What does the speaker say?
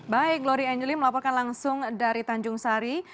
baik glory angelim melaporkan langsung dari tanjung sari